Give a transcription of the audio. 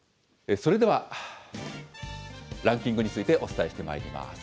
それでは、ランキングについてお伝えしてまいります。